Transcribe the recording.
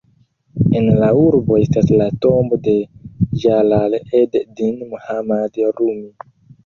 En la urbo estas la tombo de Ĝalal-ed-din Mohammad Rumi.